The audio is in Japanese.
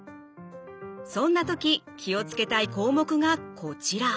そんな時気を付けたい項目がこちら。